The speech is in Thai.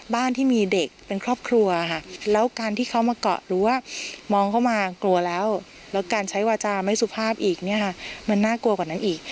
บ้านที่มีเด็กเป็นครอบครัวค่ะแล้วการที่เขามาเกาะหรือว่ามองเข้ามากลัวแล้วแล้วการใช้วาจาไม่สุภาพอีกเนี่ยค่ะมันน่ากลัวกว่านั้นอีก